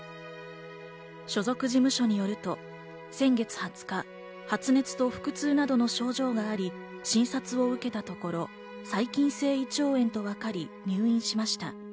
所属事務所によると、先月２０日、発熱と腹痛などの症状があり、診察を受けたところ、細菌性胃腸炎と分かり、入院しました。